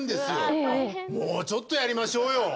もうちょっとやりましょうよ！